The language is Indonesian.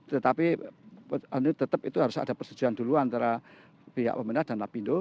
tetapi tetap itu harus ada persetujuan dulu antara pihak pemerintah dan lapindo